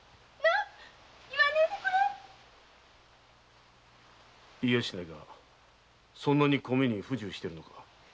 言わねぇでくれ言いやしないがそんなに米に不自由してるのか？